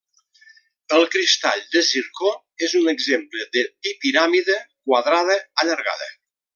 El cristall de zircó és un exemple de bipiràmide quadrada allargada.